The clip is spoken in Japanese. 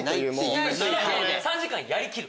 ３時間やりきる？